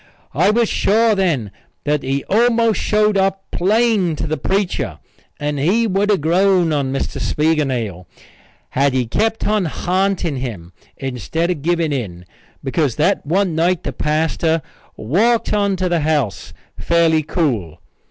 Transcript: I was sure then that he almost showed up plain to the preacher and he would have grown on Mr. Spiegelnail had he kept on ha'nting him instead of giving in because that one night the pastor walked on to the house fairly cool.